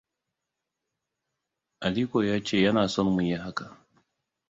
Aliko ya ce yana son mu yi haka.